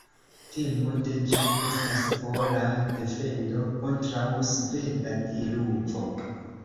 Temo de ĝi estas pola defendo kontraŭ sveda diluvo.